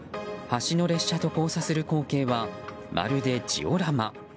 橋の列車と交差する光景はまるでジオラマ。